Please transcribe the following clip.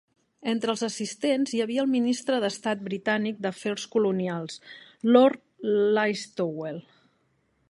Entre els assistents hi havia el ministre d'Estat britànic d'Afers Colonials, Lord Listowel.